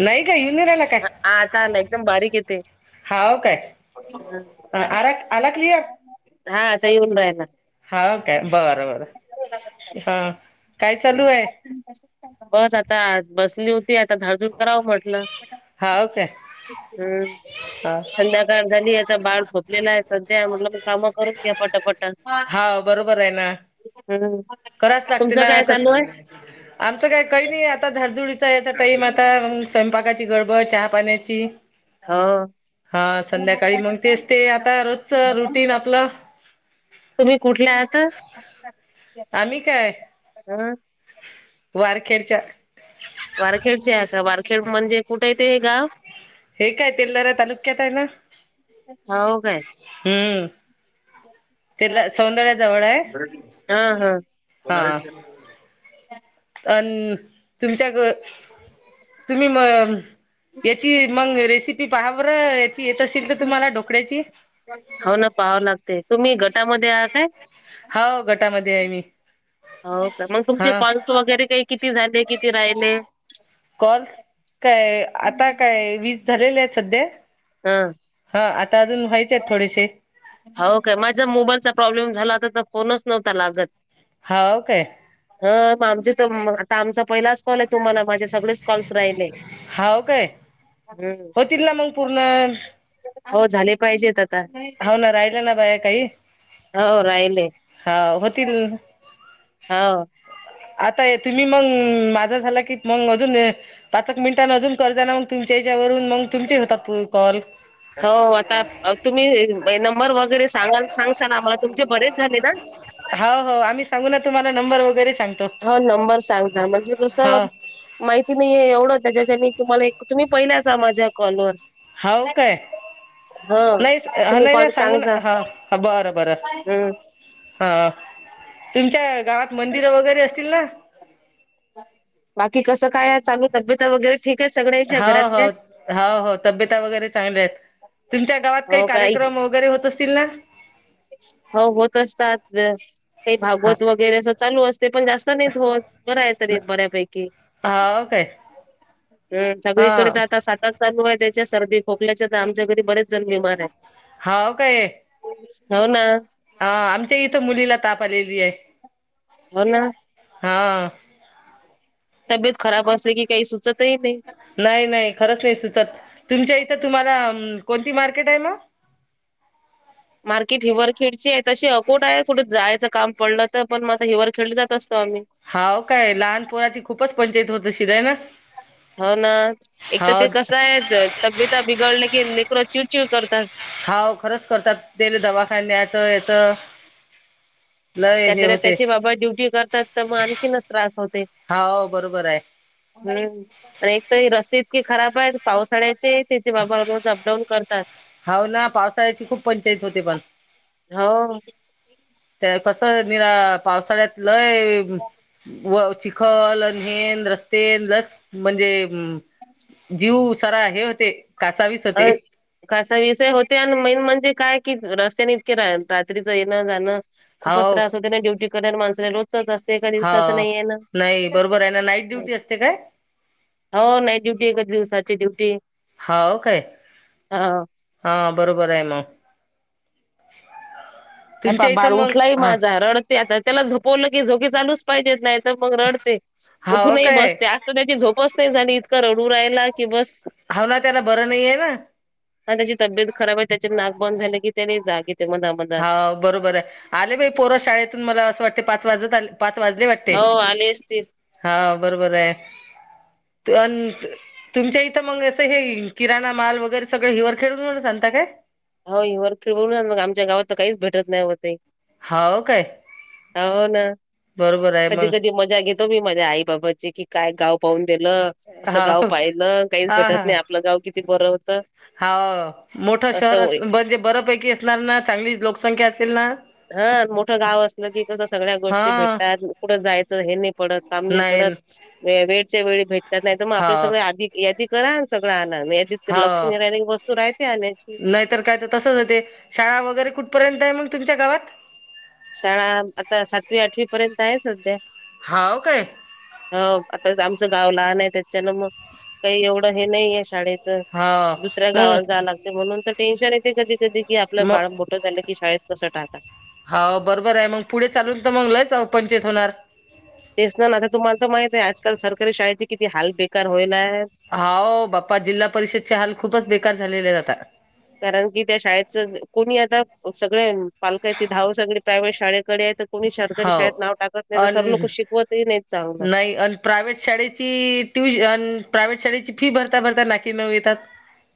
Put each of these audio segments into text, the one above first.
नाही का हुूनिराला [inaudible] ह आता आला एकदम बारीक येते. हाव काय आ आला क्लिअर हा आता येऊन राहिला हा काय बर बरं हा काय चालू आहे. बस आता बसली होती आता झाड झुड करावं म्हटलं हा काय हा हम् झाली आता बाळ झोपलेला आहे सध्या म्हटलं म काम करून घ्या पटापट हाव बरोबर आहे ना हम्म कराच लागते तुमचं ना काय कस चालू आहे आमचं काय काही नाही आता झाड जुडीचा याचा टाईम आता स्वयंपाकाची गडबड चहा पाण्याची हो हा संध्याकाळी मग तेच ते आता रोजच रुटीन आपलं तुम्ही कुठल्या आहता. आम्ही काय हा वारखेडच्या वारखेडचे आहे का वारखेड म्हणजे कुठं येते. गाव तेल्हारा तालुक्यात आहे ना हो काय हम्म तला सौंदर्या जवळ आहे हा हा हा अ तुमच्या ग तुम्ही म याची मग रेसिपी पाहाव येत असेल का तुम्हाला डोकळ्याची हो ना पाहाव लागते तुम्ही गटामध्ये आहात काय होा गटामध्ये आहे मी हो का मग तुमचे हा कॉल्स वगैरे काही किती झाले किती राहिले. कॉल्स काय आता काय वीज झालेले आहेत सध्या हा हा आता अजून व्हायचे आहेत थोडेसे हो काय माझा मोबाईलचा प्रॉब्लेम झालाता तर फोनच नव्हता लागत होा ओ काय ह आमच तर आता आमचा पहिलाच कॉल आहे तुम्हाला माझे सगळेच कॉल्स राहिले हाव हम्म होतील ना मंग पूर्ण हो झाले पाहिजेत आता हाव ना राहिलं ना बाया काही हो राहिले हा होतील. हा आता तुम्ही मंग माझा झाला की मग अजून. पाचक मिनिटं अजून करजना मग तुमच्या याच्यावरून मग तुमचे होतात कॉल. हो आता तुम्ही नंबर वगैरे सांगाल. सांग ना आमला तुमचे बरेच झाले ना. हो हो आम्ही सांगू ना तुम्हाला नंबर वगैरे सांगतो हा नंबर सांग ना म्हणजे कसं हो माहिती नाही एवढं त्याच्याच्या तुम्हाला एक तुम्ही पहिलेा माझ्या कॉलवर हो. काय नाही हा तुम्ही नाही नाही कॉल सांगून सांगजा ह बर बर हम्म हा तुमच्या गावात मंदिरं वगैरे असतील ना. बाकी कसं काय आहे चालू तब्यता वगैरे. ठीक आहे सगळ्याच्या हो हो घरातल्या ह हो तब्यता वगैरे चांगल्या आहेत. तुमच्या गावात काही कार्यक्रम वगैरे होत असतील ना हो होत असतात. काही हा भागवत वगैरे असं चालू असते पण जास्त नाहीत हो बरं आहे तरी बऱ्यापैकी हा ओके. हम सगळीकडे तर आता सातात चालू आहे त्याच्या सर्दी खोकल्याच्या तर आमच्या घरी बरेच जण बिमार आहेत. हाव काय. होना. हा आमच्या इथं मुलीला ताप आलेली आहे. हो ना. हा. तब्येत खराब असते की काही सुचतही नाही. नाही नाही खरंच नाही सुचत तुमच्या इथं तुम्हाला कोणती मार्केट आहे मग. मार्केट हिवरखेडची आहे तशी अकोट आहे कुठे जायचं काम पडलं तर पण आता हिवर खेड जात असतो आम्ही हाव काय लहानपोराची खूपच पंचायत होत असेल हाय ना. हो ना एक तर हाव ते कसं आहे तब्यता बिघडले कीलेकरं चिडचिड करतात. हाव खरंच करतात तेलं दवाखान्याच याच त्यातल्या त्याची बाबा ड्युटी करतात तर मग आणखीनच त्रास होते. हाव बरोबर आहे हम् एकतरी रस्ते इतके खराब आहे पावसाळ्याचे तिथे बाबाज अपडाऊन करत का. हो ना पावसाळ्याची खूप पंचायत होते पण. हो. कस निरा पावसाळ्यात लय व च खल अनहेन रस्ते लस म्हणजे जीव सार हे होते कासावीस होते. का विषय होते आणि मेन म्हणजे काय कि रस्त्याने इतके रात्रीच येणं जाणं खूपच हाव त्रास होते ना ड्युटी कराय माणसला रोजच असते. एका दिवसाच हाव नाही आहे ना नाही बरोबर आहे ना नाईट मा ड्युटी असते काय हो नाइट ड्युटी एकच दिवसाची ड्युटी हाव काय हा हा बरोबर आहे म ये पाये बाळ उठलाय माझा रड त्याला झोपवलं की झोगी चालूच पाहिजेत नाही तर मग रडते हाव उठूनही काय बसते. त्याची झोपच नाही झाली इतकां रडू राहिला की बस. हाव ना त्याला बरं नाहीे ना. आणि त्याची तब्येत खराब आहे त्याचे नाक बंद झाले की त्याने जागे ते मग हा बरोबर आहे आले बाई पोर शाळेतून मला असं वाटते पाच वाजत पाच वाजले वाट हो आले असंतील. हा बरोबर आहे त अंत तुमच्या इथं मग असं हे किराणा माल वगैरे सगळे हिवर खेड वरूनच आणता काय हो हि वर खिळ बोलून मग आमच्या गावात तर काहीच भेटत नाही हो ते, हाव काय हो ना बरोबर आहे कधी मग कधी मजा घेत मी मले माझ्या आई बाबाची की काय गाव पाहून दिलं. असं गाव हाव पाहिलं काहीच हा भेटत नाही आपलं गाव किती बरं होतं. हा मोठं शहर असं अस होय म्हणजे बरपैकी असणार ना चांगली लोकसंख्या असेल ना, हा मोठं गाव असलं की कसं सगळ्या हा गोष्टी भेटतात कुठं जायचं हे नाही पडत काम नाही पडत. वेळच्या वेळी भेटतात नाही तर मग आपलं हाव सगळं आधी यादी करा सगळं आणा या ते लक्ष नाय राहिलं की वस्तू राहते आणायची. तर काय तर तसंच होते शाळा वगैरे कुठपर्यंत आहे मग तुमच्या गावात शाळा आता सातवी आठवी पर्यंत आहे सध्या हाव काय ह आता आमचं गाव लहान आहे त्याच्यान मग काही एवढं हे नाही आहे शाळेत हा दुसऱ्या गावावर मग जाला ते म्हणून तर टेन्शन येते कधी कधी की आपलं बाळ मोठं झालं की शाळेत कसं टाका हो बरोबर आहे मग पुढे चालून तर मग लच पंचायत होणार. तेच ना नाता तुम्हाला तर माहित आहे आजकाल सरकारी शाळेचे किती हाल बेकार होईल आहे. हा बाप्पा जिल्हा परिषद चे हाल खूपच बेकार झालेले आता कारण की त्या शाळेच कोणी आता सगळ पालकाची धाव सगळे प्रायवे्ट शाळेकडे आहेत. कोणी सरकारी हाव शाळेत नाव टाकत नाही तर सर अन लोक शिकवतही नाही चांगलं नाही अ प्रायव्हेट शाळेची ट्यूशन प्रायव्हेट शाळेची फी भरता भरता नाकी नव येतात.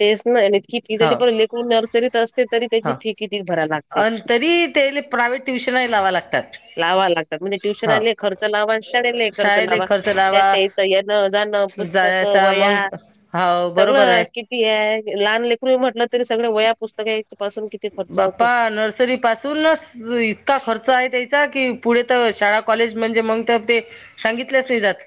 तेच नाही इतकी फी हाव झाली लेकरु नर्सरीत असते तरी त्याची फी किती भरायला लाग अन् तरी ते प्रायव्हेट ट्युशनही लावावे लागतात. लावा लागतात म्हणजे हा ट्युशनला खर्च लावा आणि शाळेला खर्च शाळेले लावा खर्च लावा त्या येणं, जाण, पुस्तक, जायचा वया मग हाव बरोबर सगळं आहे कि लहान लेकरू आहे म्हटलं तरी सगळे वया पुस्तक आहे. बाप्पा नर्सरी पासूनच इतका खर्च आहे. त्यांचा की पुढे तर शाळा कॉलेज म्हणजे मग तर ते सांगितलेच नाही जात.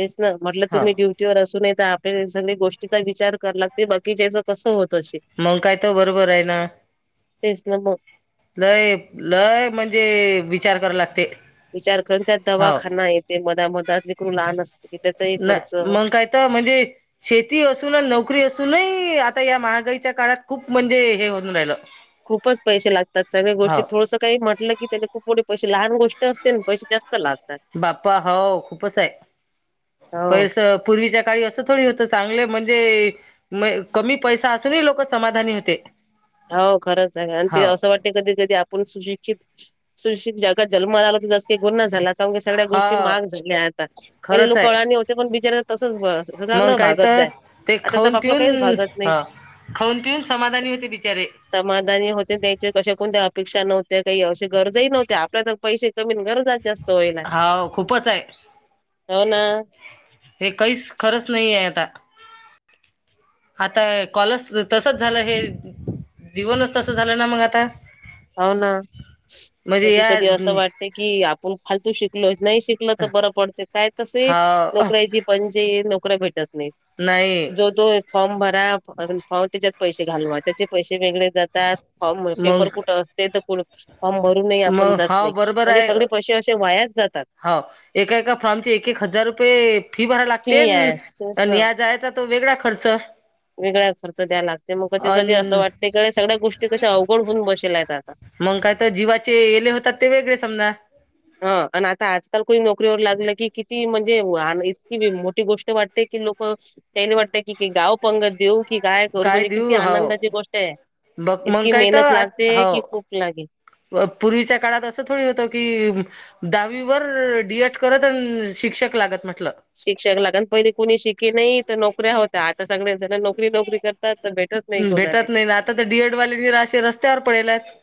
तेच ना म्हटलं हा तुम्ही ड ड्यूटीवर असून तर आपल्या सगळे गोष्टीचा विचार कर लागते बाकिच्यांच कसं होत अस मंग काय तो बरोबर आहे ना, तेच ना मग लय लय म्हणजे विचार कराव लागते. विचार करून त्यात हो दवाखाना येते मध मधात लेकरू लहान असते. की त्याचाही खर्च नाही मग काय तर म्हणजे शेती असून नोकरी असूनही आता या महागाईच्या काळात खूप म्हणजे हे होऊन राहिलं. खूपच पैसे लातात सगळ्या गोष्टी हो थोड काही म्हटलं की त्या खूपे पैसेे लहान गोष्ट असते ना पैसे जास्त लागत. बाप्पा हो खूपच आहे हो पैस पूर्वीच्या काळी असं थोडी होतं चांगलं म्हणजे म कमी पैसा असूनही लोक समाधानी होते. हो खरंच आहे आणि ते हो असं वाट कधी कधी आपण सुशिक्षित सुशिक्षित जगात जन्मला आला तर जा का गुन्हा झाला. की सगळ्या हा गोष्टी महाग झाल्या आता पहिले खरंच लोक अळाणी आहे होते पण बिचार तसच बस मग काही तर ते खाऊन पिऊन काहीच भागत नाही. ह खाऊन पिऊन समाधानी होते बिचारे समाधानी होते त्याचे कशा कोणत्या अपेक्षा नव्हत्या काही अशी गरजही नव्हत्या आपल्या तर पैसे कमी गरजा जास्त. हाव खूपच आहे. होना. हे काहीच खरंच नाही आहे आता आता कॉलच तसच झालं हे जीवनच तस झालं ना मग आता. हौना मजे कधी कधी असं वाटते की, आपण फालतू शिकलो. नाही शिकल तर बरं पडते. काय तसंही हा नोकऱ्याची पंचाईत. नोकऱ्या भेटत नाही. नाही जो तो फॉर्म भरा फॉर्म. त्याच्यात पैसे घालवा. त्याचे पैसे वेगळे जातात. फॉर्म पेपर मग कुठ असते तर फॉर्म भरूनही आपण मग जात हा नाही. म्हणजे सगळे पैसे असे वायाच जातात. हाव. एका एका फॉर्मची एक एक हजार रुपये फी भराव लागते फी आहे. तेच नं ना. या जायाचा - तो वेगळा खर्च. वेगळा खर्च द्यायला लागतंय. मग कधी कधी असं अन वाटते गडे सगळ्या गोष्टी कशा अवघड होऊन बसेल्या आहेत आता. मग काय तर? जीवाचे येले होतात ते वेगळे समजा. ह आणि आता आजकाल कोही नोकरीवर लागलं की किती म्हणजे? हां ना इतकी मोठी गोष्ट वाटते की लोक त्याले वाटतं की गाव पंगत देऊ. की काय करू. म्हणजे किती देऊ आनंदाची हो गोष्ट आहे. बघ मग इतकी काय मेहनत तर लागते की हो खूप लागे. पूर्वीच्या काळात असं थोडी होतं की दहावीवर डी एट करत अन शिक्षक लागत म्हटलं. शिक्षक लागण पहिली कोणी शिके नाही तर नोकऱ्या होत- तर आता सगळे जण नोकरी नोकरी करतात. तर भेटत नाही कोणाले. त्यावर पडेलात.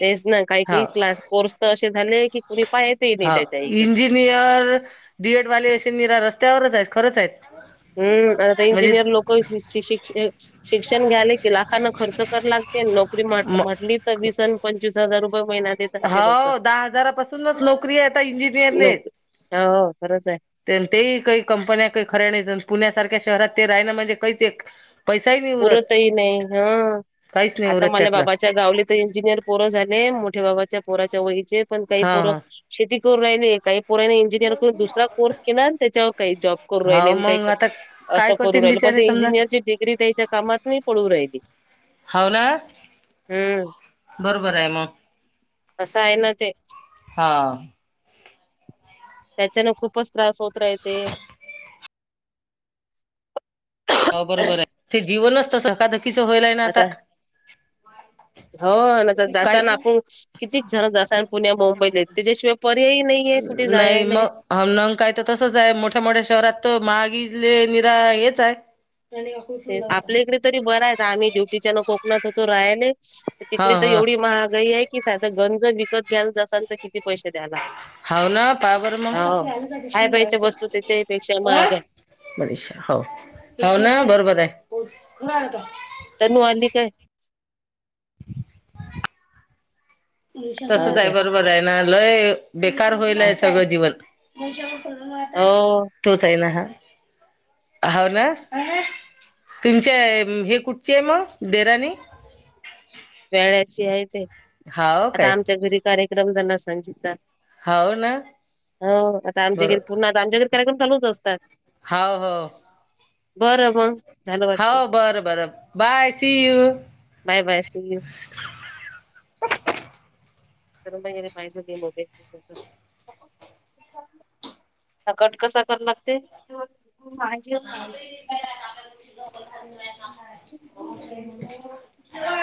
तेच ना. काही काही क्लास कोर्स तर असे झाले की कुणी पाहयतेही नाही त्याच्या इकडे. डी एर् डी एड वाले असे निर रस्त्यावरच आहेत. खरंच आहेत. हम्म. आता म्हणजे इंजिनियर लोक शिक्षिक शिक्षण घ्यायले की लाखांन खर्च क लागतय. नोकरी म्हटली तर वीस अन - पंचवीस हजार रुपये महिना देत हाव. दहा हजारापासूनच नोकरी आहे आता इंजिनिअरले. नोकरी हो खरंच आहे. ते काही कंपन्या काही खऱ्या नाही. पुण्यासारख्या शहरात ते राहिन म्हणजे कहीच एक पैसाही नाही उरत पुरतही नाही ह. काहीच नाही आता उरत मला त्यातला बाबाच्या गावले तर इंजिनियर पोरं झाले. मोठ्या बाबाच्या पोराच्या वईचे पण काही हा पोरं शेती करू राहिले. काही पोराने इंजिनिअर करून दुसरा कोर्स केला न त्याच्यावर काही जॉब करू हा राहिले हो काही मग आता काय असं करू करतील राहिले. पण बिचारे ते समजा इंजिनियरची डिग्री त्यांच्या कामात नाही पडू राहिली. होव ना? हम्म बरोबर आहे मग. असं आहे ना ते. हा. त्याच्यान खूपच त्रास होत राहयते. हो बरोबर आहे. ते जीवनच तसं धकाधकीचं होईल आहे ना आता. हो. न तर जासा काय ना आपण. कितीक जण जातात आणि पुण्या मुंबईले त्याच्याशिवाय पर्यायही नाहीये कुठे नाही जायायले. [unintelligible] काय तर तसंच आहे मोठ्या मोठ्या शहरात तर माहगिले निरा हेच आहे. [unintelligible] ते आपल्या इकडे तरी बरा आहे. आम्ही ड्युटीच्यान कोकणात होतो राहायले. हा तिकडे तर हा एवढी महागाई आहे. की साधं गंज विकत घ्यायला जाशाल तर किती पैसे द्याय लागत. हाव ना. पाहय बरं मग? खाय प्यायच्या वस्तू त्याच्याही पेक्षा महाग आहे पैसा हो. हो ना बरोबर आहे. तनु आली काय? तसच हो आहे. काय. बरोबर आहे ना. लय बेकार होईल आहे सगळं जीवन. हो तोच आहे ना हा. हाव ना. तुमच्या हे कुठचे आहे मग देराणी? वेळ्याची आहे ते. हाव आता काय आमच्या घरी कार्यक्रम झाला ना सांची चा हाव ना हो आता आमच्या बरो घरी पुन्हा आता आमच्या घरी कार्यक्रम चालूच असतात. हो हो बरं मग झालं वाटतं. हाव. बरं बर. Bye see you. Bye bye see you. [unintelligible] ह कट कसा करा लागते ज